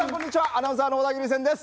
アナウンサーの小田切千です。